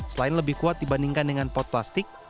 selain lebih kuat dibandingkan dengan pot plastik